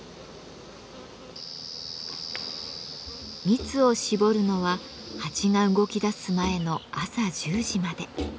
蜜をしぼるのはハチが動きだす前の朝１０時まで。